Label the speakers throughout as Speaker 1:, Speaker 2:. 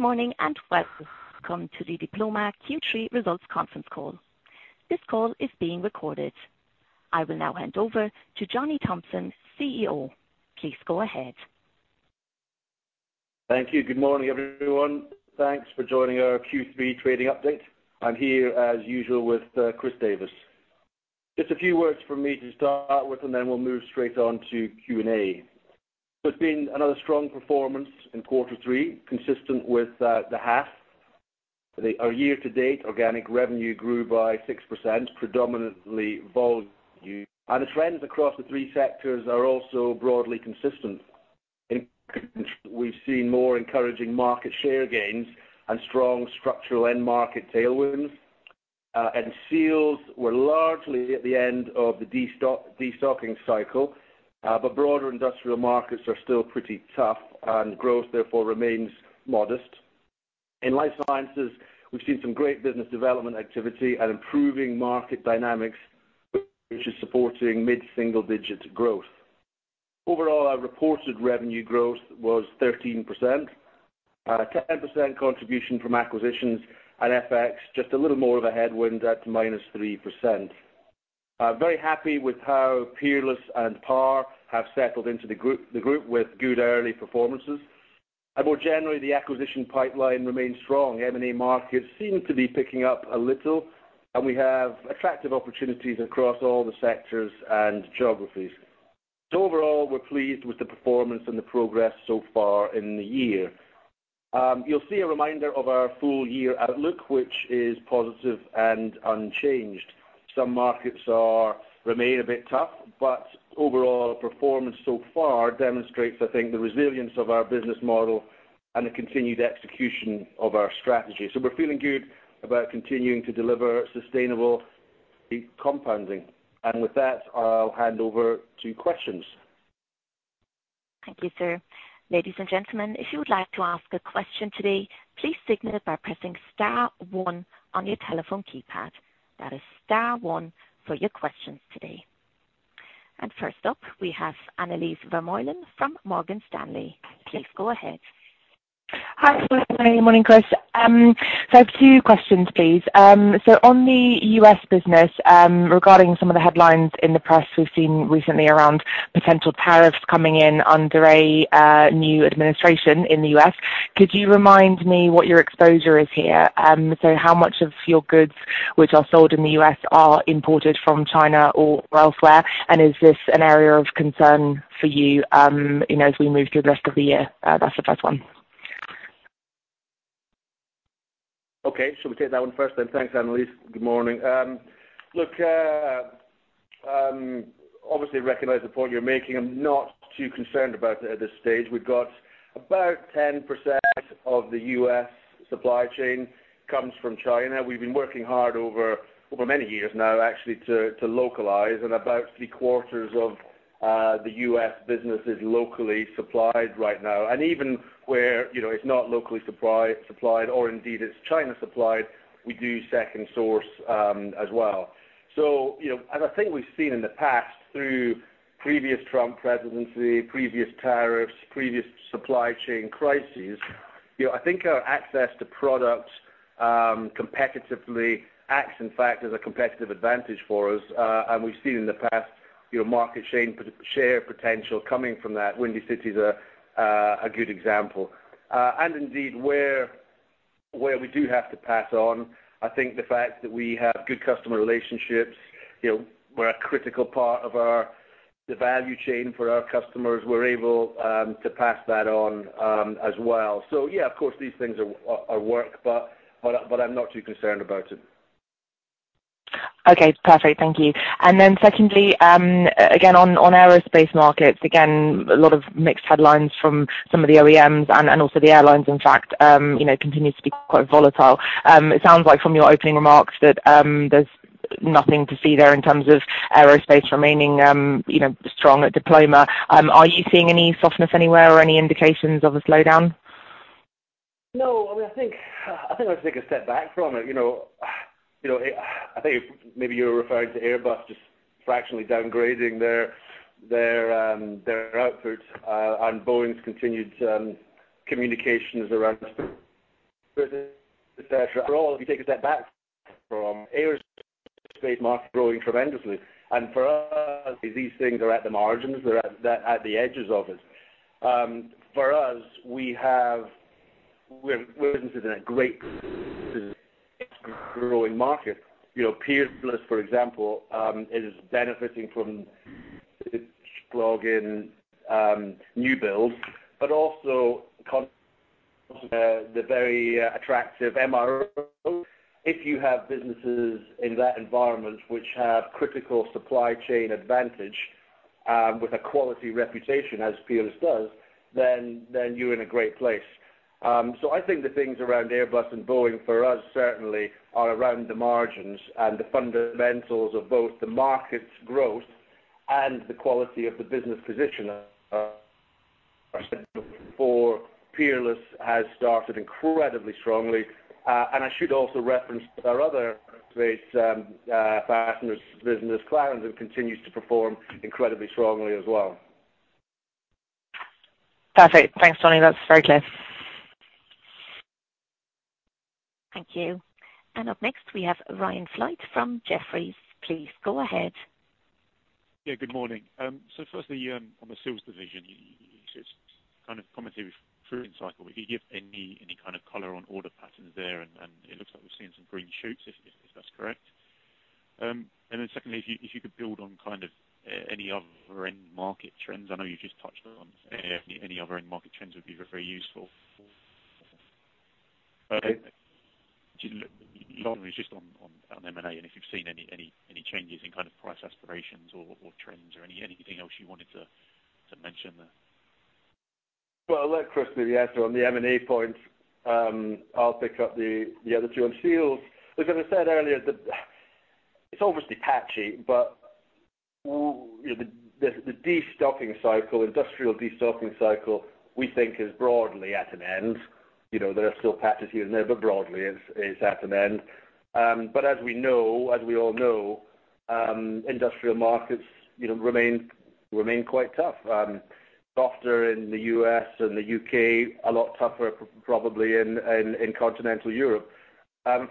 Speaker 1: Good morning, and welcome to the Diploma Q3 Results Conference Call. This call is being recorded. I will now hand over to Johnny Thomson, CEO. Please go ahead.
Speaker 2: Thank you. Good morning, everyone. Thanks for joining our Q3 trading update. I'm here, as usual, with Chris Davies. Just a few words from me to start with, and then we'll move straight on to Q&A. It's been another strong performance in quarter three, consistent with the half. Our year-to-date organic revenue grew by 6%, predominantly volume. And the trends across the three sectors are also broadly consistent. In Seals, we've seen more encouraging market share gains and strong structural end market tailwinds. And Seals were largely at the end of the destocking cycle, but broader industrial markets are still pretty tough, and growth, therefore, remains modest. In Life Sciences, we've seen some great business development activity and improving market dynamics, which is supporting mid-single-digit growth. Overall, our reported revenue growth was 13%, 10% contribution from acquisitions and FX, just a little more of a headwind at -3%. I'm very happy with how Peerless and PAR have settled into the group with good early performances. And more generally, the acquisition pipeline remains strong. M&A markets seem to be picking up a little, and we have attractive opportunities across all the sectors and geographies. So overall, we're pleased with the performance and the progress so far in the year. You'll see a reminder of our full year outlook, which is positive and unchanged. Some markets remain a bit tough, but overall performance so far demonstrates, I think, the resilience of our business model and the continued execution of our strategy. So we're feeling good about continuing to deliver sustainable compounding. With that, I'll hand over to questions.
Speaker 1: Thank you, sir. Ladies and gentlemen, if you would like to ask a question today, please signal it by pressing star one on your telephone keypad. That is star one for your questions today. First up, we have Annelies Vermeulen from Morgan Stanley. Please go ahead.
Speaker 3: Hi, good morning, Chris. I have two questions, please. On the U.S. business, regarding some of the headlines in the press, we've seen recently around potential tariffs coming in under a new administration in the U.S., could you remind me what your exposure is here? How much of your goods, which are sold in the U.S., are imported from China or elsewhere? And is this an area of concern for you, you know, as we move through the rest of the year? That's the first one.
Speaker 2: Okay, shall we take that one first then? Thanks, Annelies. Good morning. Look, obviously recognize the point you're making. I'm not too concerned about it at this stage. We've got about 10% of the U.S. supply chain comes from China. We've been working hard over many years now, actually, to localize, and about three quarters of the U.S. business is locally supplied right now. And even where, you know, it's not locally supplied, or indeed, it's China supplied, we do second source as well. So, you know, and I think we've seen in the past through previous Trump presidency, previous tariffs, previous supply chain crises, you know, I think our access to products competitively acts, in fact, as a competitive advantage for us. And we've seen in the past, you know, market share potential coming from that. Windy City is a good example. And indeed, where we do have to pass on, I think the fact that we have good customer relationships, you know, we're a critical part of the value chain for our customers, we're able to pass that on, as well. So, yeah, of course, these things are work, but I'm not too concerned about it.
Speaker 3: Okay, perfect. Thank you. And then secondly, again, on aerospace markets, again, a lot of mixed headlines from some of the OEMs and also the airlines, in fact, you know, continues to be quite volatile. It sounds like from your opening remarks that, there's nothing to see there in terms of aerospace remaining, you know, strong at Diploma. Are you seeing any softness anywhere or any indications of a slowdown?
Speaker 2: No, I mean, I think, I think let's take a step back from it, you know, you know, I think maybe you're referring to Airbus just fractionally downgrading their their output, and Boeing's continued communications around, et cetera. For all, if you take a step back from aerospace market growing tremendously, and for us, these things are at the margins, they're at, at the edges of it. For us, we have... We're, we're in a great growing market. You know, Peerless, for example, is benefiting from lag in new builds, but also the very attractive MRO. If you have businesses in that environment which have critical supply chain advantage, with a quality reputation, as Peerless does, then, then you're in a great place. So I think the things around Airbus and Boeing, for us, certainly are around the margins and the fundamentals of both the market's growth and the quality of the business position. For Peerless has started incredibly strongly, and I should also reference our other space fasteners business, Clarendon, and continues to perform incredibly strongly as well....
Speaker 3: Perfect. Thanks, Johnny. That's very clear.
Speaker 1: Thank you. Up next, we have Ryan Flight from Jefferies. Please go ahead.
Speaker 4: Yeah, good morning. So firstly, on the Seals division, you just kind of commented through in cycle. Could you give any kind of color on order patterns there? And it looks like we've seen some green shoots, if that's correct. And then secondly, if you could build on kind of any other end market trends. I know you just touched on any other end market trends would be very useful. Okay. Just on M&A, and if you've seen any changes in kind of price aspirations or trends or anything else you wanted to mention there.
Speaker 2: Well, I'll let Chris maybe answer on the M&A point. I'll pick up the other two on Seals. As I said earlier, it's obviously patchy, but you know, the destocking cycle, industrial destocking cycle, we think is broadly at an end. You know, there are still patches here and there, but broadly it's at an end. But as we know, as we all know, industrial markets, you know, remain quite tough. Softer in the U.S. and the U.K., a lot tougher probably in continental Europe.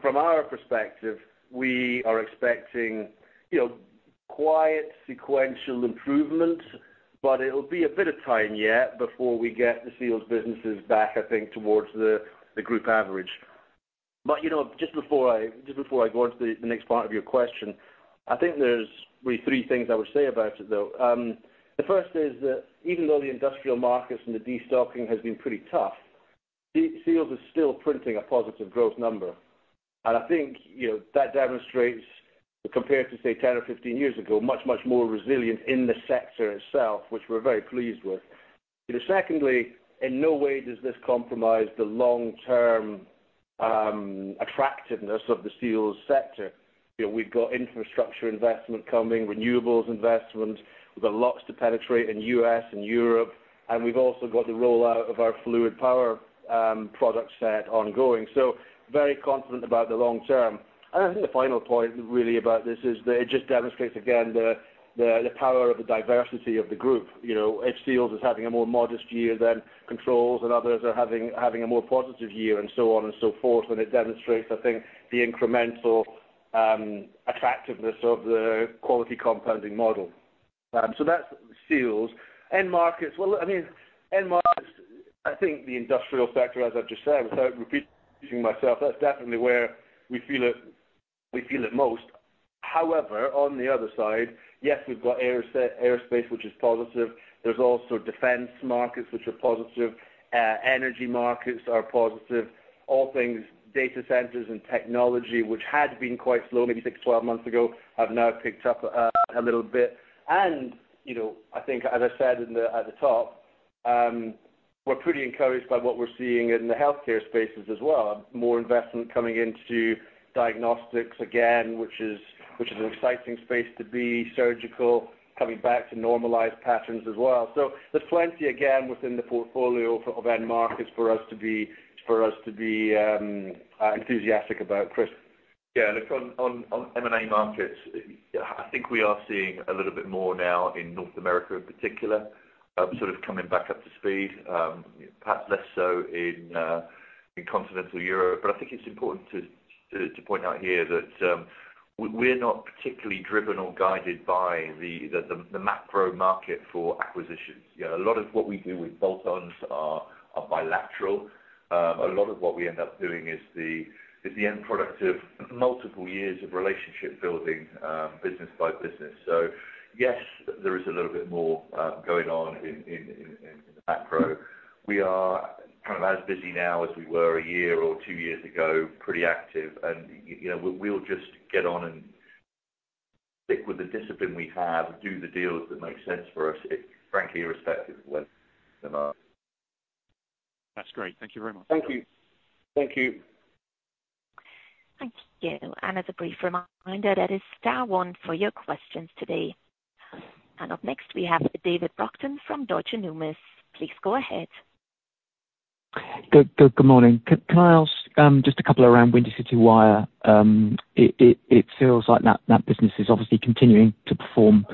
Speaker 2: From our perspective, we are expecting, you know, quiet sequential improvement, but it'll be a bit of time yet before we get the Seals businesses back, I think, towards the group average. But, you know, just before I, just before I go on to the next part of your question, I think there's really three things I would say about it, though. The first is that even though the industrial markets and the destocking has been pretty tough, Seals is still printing a positive growth number. And I think, you know, that demonstrates, compared to, say, 10 or 15 years ago, much, much more resilient in the sector itself, which we're very pleased with. You know, secondly, in no way does this compromise the long-term attractiveness of the Seals sector. You know, we've got infrastructure investment coming, renewables investment. We've got lots to penetrate in US and Europe, and we've also got the rollout of our fluid power product set ongoing. So very confident about the long term. I think the final point really about this is that it just demonstrates again the power of the diversity of the group. You know, if Seals is having a more modest year than Controls and others are having a more positive year, and so on and so forth, and it demonstrates, I think, the incremental attractiveness of the quality compounding model. So that's Seals. End markets. Well, I mean, end markets, I think the industrial sector, as I've just said, without repeating myself, that's definitely where we feel it, we feel it most. However, on the other side, yes, we've got aerospace, which is positive. There's also defense markets, which are positive. Energy markets are positive. All things data centers and technology, which had been quite slow, maybe 6-12 months ago, have now picked up a little bit. You know, I think as I said in the, at the top, we're pretty encouraged by what we're seeing in the healthcare spaces as well. More investment coming into diagnostics again, which is, which is an exciting space to be. Surgical, coming back to normalized patterns as well. So there's plenty again, within the portfolio of, of end markets for us to be, for us to be, enthusiastic about. Chris?
Speaker 5: Yeah, look on M&A markets, I think we are seeing a little bit more now in North America in particular, sort of coming back up to speed, perhaps less so in continental Europe. But I think it's important to point out here that, we're not particularly driven or guided by the macro market for acquisitions. You know, a lot of what we do with bolt-ons are bilateral. A lot of what we end up doing is the end product of multiple years of relationship building, business by business. So yes, there is a little bit more going on in macro. We are kind of as busy now as we were a year or two years ago, pretty active. You know, we'll just get on and stick with the discipline we have and do the deals that make sense for us, it frankly, irrespective of what the market.
Speaker 4: That's great. Thank you very much.
Speaker 5: Thank you.
Speaker 2: Thank you.
Speaker 1: Thank you. As a brief reminder, that is star one for your questions today. Up next, we have David Brockton from Deutsche Numis. Please go ahead.
Speaker 6: Good morning. Can I ask just a couple around Windy City Wire? It feels like that business is obviously continuing to perform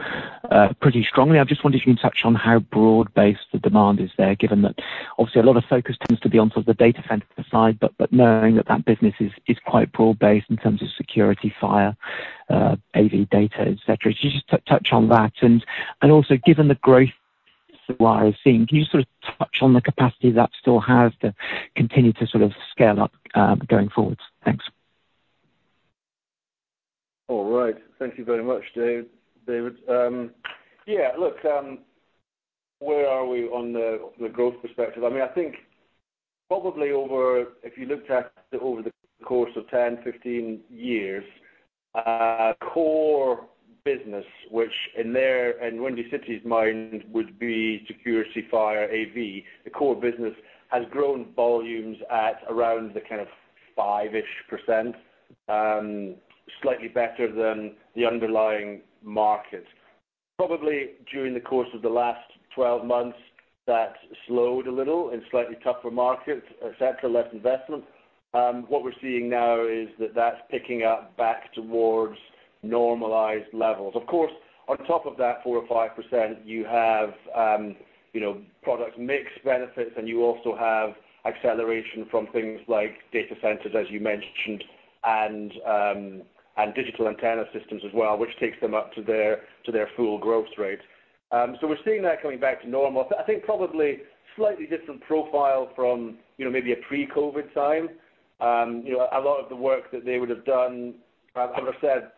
Speaker 6: pretty strongly. I just wondered if you can touch on how broad-based the demand is there, given that obviously a lot of focus tends to be on sort of the data center side, but knowing that that business is quite broad-based in terms of security, fire, AV data, et cetera. Could you just touch on that? And also, given the growth that we are seeing, can you sort of touch on the capacity that store has to continue to sort of scale up going forward? Thanks.
Speaker 2: All right. Thank you very much, Dave, David. Yeah, look, where are we on the growth perspective? I mean, I think probably if you looked at over the course of 10, 15 years, our core business, which in there, in Windy City's Wire, would be security, fire, AV. The core business has grown volumes at around the kind of 5-ish%, slightly better than the underlying market. Probably during the course of the last 12 months that slowed a little in slightly tougher markets, et cetera, less investment. What we're seeing now is that that's picking up back towards normalized levels. Of course, on top of that 4%-5%, you have, you know, product mix benefits, and you also have acceleration from things like data centers, as you mentioned, and, and Digital Antenna Systems as well, which takes them up to their, to their full growth rate. So we're seeing that coming back to normal. I think probably slightly different profile from, you know, maybe a pre-COVID time. You know, a lot of the work that they would have done, as I said, was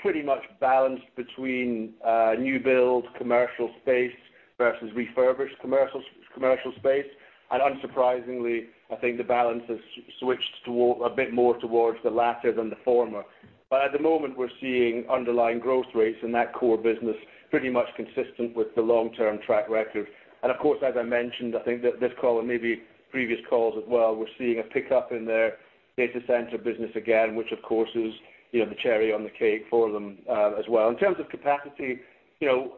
Speaker 2: pretty much balanced between, new builds, commercial space versus refurbished commercial, commercial space. And unsurprisingly, I think the balance has switched toward a bit more towards the latter than the former. But at the moment, we're seeing underlying growth rates in that core business, pretty much consistent with the long-term track record. Of course, as I mentioned, I think that this call and maybe previous calls as well, we're seeing a pickup in their data center business again, which, of course, is, you know, the cherry on the cake for them, as well. In terms of capacity, you know,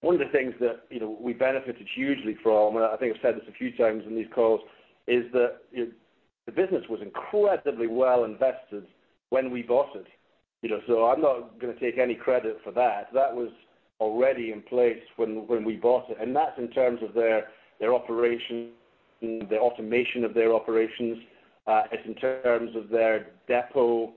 Speaker 2: one of the things that, you know, we benefited hugely from, and I think I've said this a few times in these calls, is that the business was incredibly well invested when we bought it. You know, so I'm not going to take any credit for that. That was already in place when we bought it, and that's in terms of their operation, the automation of their operations, it's in terms of their depot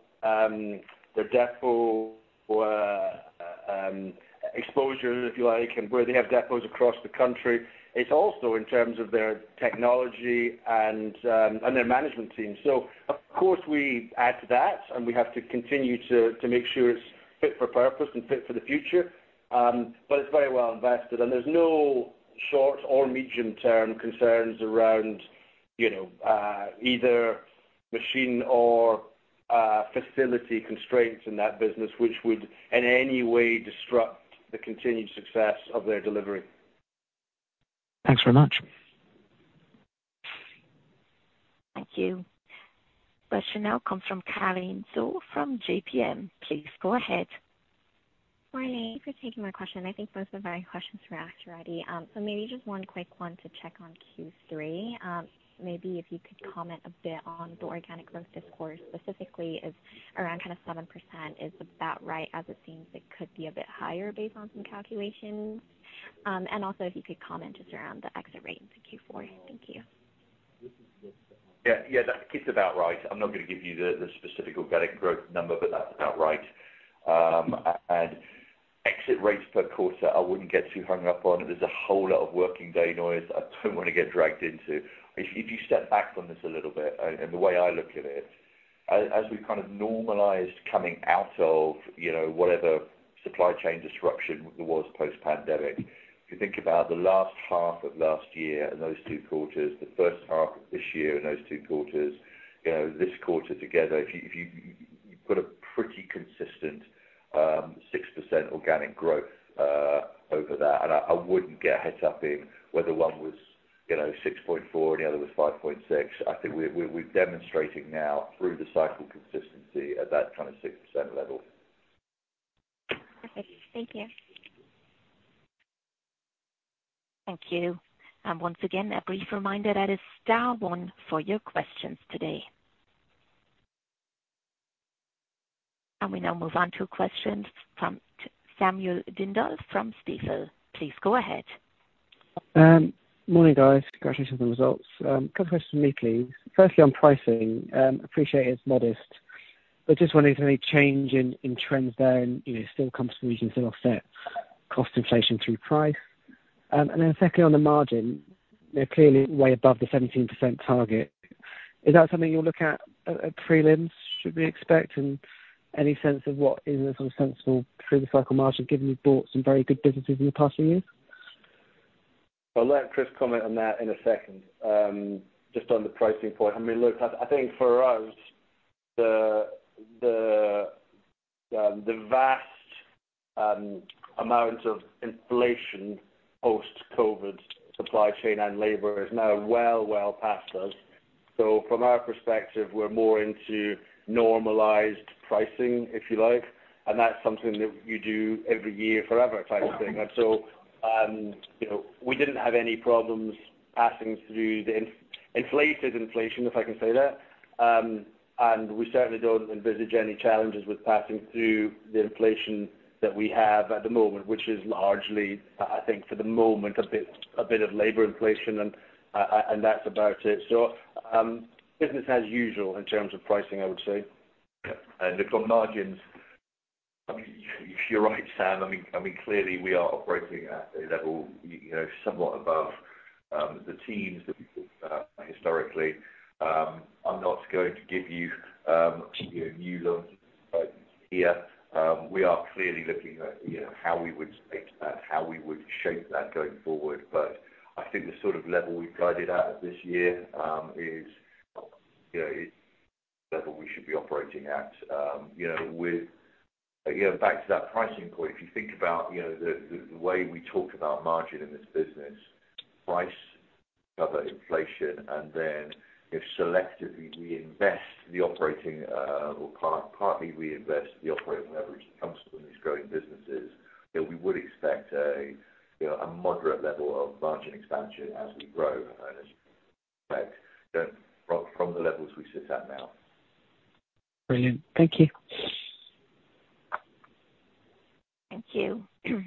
Speaker 2: exposure, if you like, and where they have depots across the country. It's also in terms of their technology and, and their management team. So of course, we add to that, and we have to continue to make sure it's fit for purpose and fit for the future, but it's very well invested, and there's no short or medium-term concerns around, you know, either machine or, facility constraints in that business, which would, in any way, disrupt the continued success of their delivery.
Speaker 6: Thanks very much.
Speaker 1: Thank you. Question now comes from Karin So from JPM. Please go ahead.
Speaker 7: Morning. Thank you for taking my question. I think most of my questions were asked already. So maybe just one quick one to check on Q3. Maybe if you could comment a bit on the organic growth this quarter, specifically, is around kind of 7%. Is about right, as it seems it could be a bit higher based on some calculations? And also, if you could comment just around the exit rate in Q4. Thank you.
Speaker 2: Yeah, yeah, that it's about right. I'm not going to give you the, the specific organic growth number, but that's about right. And exit rates per quarter, I wouldn't get too hung up on. There's a whole lot of working day noise I don't want to get dragged into. If, if you step back from this a little bit, and, and the way I look at it, as we kind of normalized coming out of, you know, whatever supply chain disruption there was post-pandemic, if you think about the last half of last year and those two quarters, the first half of this year and those two quarters, you know, this quarter together, if you, if you, you've got a pretty consistent, 6% organic growth, over that. I wouldn't get hung up on whether one was, you know, 6.4 and the other was 5.6. I think we're demonstrating now through the cycle consistency at that kind of 6% level.
Speaker 7: Perfect. Thank you.
Speaker 1: Thank you. Once again, a brief reminder, that is star one for your questions today. We now move on to questions from Sam Dindol from Stifel. Please go ahead.
Speaker 8: Morning, guys. Congratulations on the results. A couple questions for me, please. Firstly, on pricing, appreciate it's modest, but just wondering if any change in trends there and, you know, still comfortable you can still offset cost inflation through price. And then secondly, on the margin, they're clearly way above the 17% target. Is that something you'll look at at prelims? Should we expect, and any sense of what is a sensible through the cycle margin, given you've bought some very good businesses in the past year?
Speaker 2: I'll let Chris comment on that in a second. Just on the pricing point, I mean, look, I think for us, the vast amount of inflation, post-COVID, supply chain and labor is now well past us. So from our perspective, we're more into normalized pricing, if you like, and that's something that you do every year forever, type of thing. And so, you know, we didn't have any problems passing through the inflated inflation, if I can say that. And we certainly don't envisage any challenges with passing through the inflation that we have at the moment, which is largely, I think for the moment, a bit of labor inflation and that's about it. So, business as usual in terms of pricing, I would say.
Speaker 5: And look, on margins, I mean, you're right, Sam. I mean, I mean, clearly, we are operating at a level, you know, somewhat above the teens, historically. I'm not going to give you, you know, new ones, but yeah, we are clearly looking at, you know, how we would expect, how we would shape that going forward. But I think the sort of level we've guided out this year, is, you know, is the level we should be operating at. You know, with... Again, back to that pricing point, if you think about, you know, the way we talk about margin in this business, price cover inflation, and then if selectively we invest the operating, or partly reinvest the operating leverage that comes from these growing businesses, then we would expect a, you know, a moderate level of margin expansion as we grow and as expected from the levels we sit at now.
Speaker 8: Brilliant. Thank you.
Speaker 1: Thank you.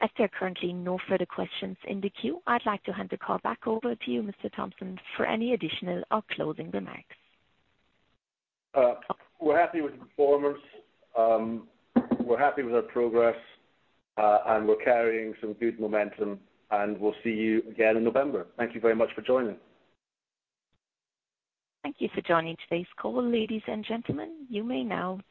Speaker 1: As there are currently no further questions in the queue, I'd like to hand the call back over to you, Mr. Thomson, for any additional or closing remarks.
Speaker 2: We're happy with the performance, we're happy with our progress, and we're carrying some good momentum, and we'll see you again in November. Thank you very much for joining.
Speaker 1: Thank you for joining today's call, ladies and gentlemen. You may now disconnect.